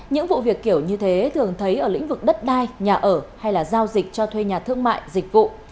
những vụ việc kiểu như thế thường thấy ở lĩnh vực đất đai nhà ở hay là giao dịch cho thuê nhà thương mại dịch vụ